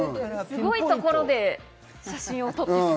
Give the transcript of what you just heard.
すごいところで写真を撮ってます。